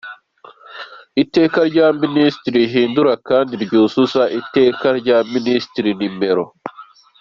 Iteka rya Minisitiri rihindura kandi ryuzuza Iteka rya Minisitiri n°